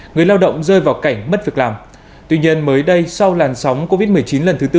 người lao động rơi vào cảnh mất việc làm tuy nhiên mới đây sau làn sóng covid một mươi chín lần thứ tư